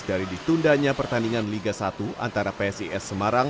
dari ditundanya pertandingan liga satu antara psis semarang